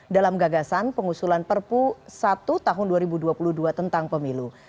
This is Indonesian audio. dalam gagasan pengusulan perpu satu tahun dua ribu dua puluh dua tentang pemilu